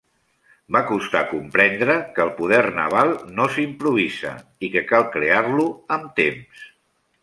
Va costar comprendre que el Poder Naval no s'improvisa i que cal crear-lo amb temps.